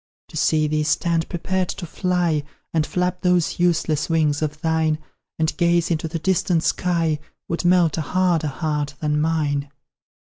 To see thee stand prepared to fly, And flap those useless wings of thine, And gaze into the distant sky, Would melt a harder heart than mine.